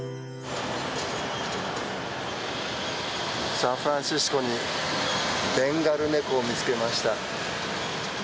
サンフランシスコにベンガルネコを見つけました。